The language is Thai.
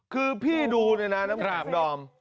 คือพี่ดูด้วยนะทราบดอม